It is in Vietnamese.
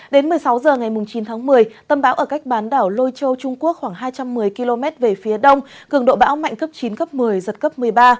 đến một mươi sáu h ngày chín tháng một mươi tâm bão ở cách bán đảo lôi châu trung quốc khoảng hai trăm một mươi km về phía đông cường độ bão mạnh cấp chín cấp một mươi giật cấp một mươi ba